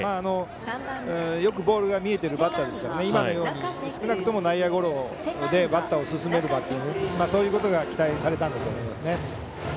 よくボールが見えているバッターですから今のように少なくとも内野ゴロでランナーを進めるバッティングが期待されたでしょうね。